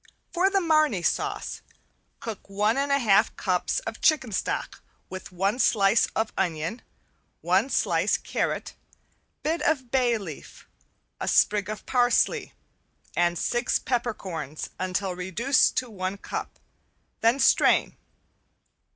For the Marnay sauce, cook one and one half cups of chicken stock with one slice of onion, one slice carrot, bit of bay leaf, a sprig of parsley and six peppercorns until reduced to one cup, then strain.